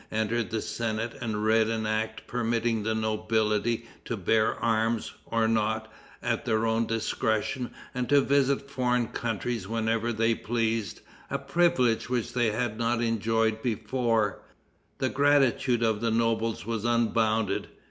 entered the senate and read an act permitting the nobility to bear arms, or not, at their own discretion, and to visit foreign countries whenever they pleased, a privilege which they had not enjoyed before, the gratitude of the nobles was unbounded.